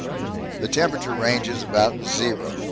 The temperature ranges about zero.